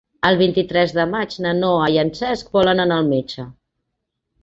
El vint-i-tres de maig na Noa i en Cesc volen anar al metge.